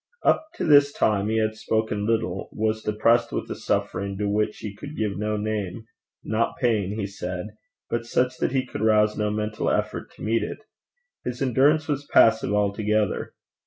Up to this time he had spoken little, was depressed with a suffering to which he could give no name not pain, he said but such that he could rouse no mental effort to meet it: his endurance was passive altogether.